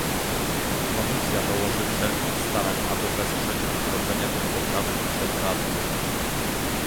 Komisja dołoży wszelkich starań, aby wesprzeć wdrożenie tych poprawek przez Radę